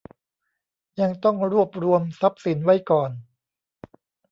ยังต้องรวบรวมทรัพย์สินไว้ก่อน